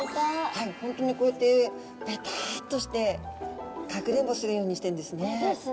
はいホントにこうやってベタッとしてかくれんぼするようにしてんですね。